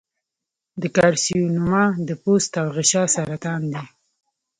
د کارسینوما د پوست او غشا سرطان دی.